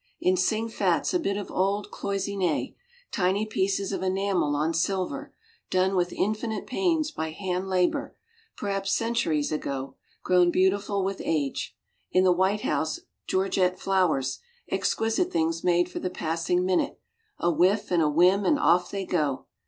In Sing Fat's a bit of old Cloissonne, tiny pieces of enamel on silver, done with infinite pains by hand labor, perhaps centuries ago, grown beautiful with age. In the White House georgette flowers, exquisite things made for the passing minute, a whiff and a whim and off they go.